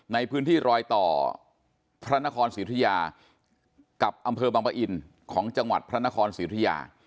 ในพื้นที่รอยต่อพระนครศรีอุทยากับอำเภอบังปะอินของจังหวัดพระนครศรีอุทิยา